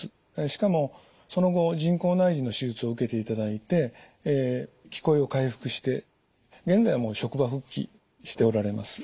しかもその後人工内耳の手術を受けていただいて聞こえを回復して現在はもう職場復帰しておられます。